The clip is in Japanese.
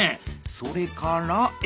それからえ！